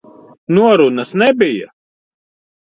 Norunas nebija.